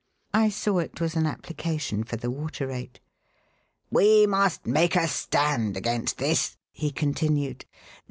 I saw it was an application for the water rate. "We must make a stand against this," he continued.